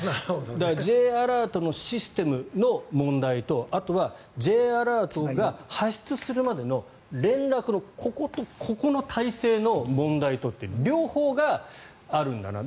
Ｊアラートのシステムの問題とあとはＪアラートが発出するまでの連絡のここと、ここの体制の問題という両方があるんだなと。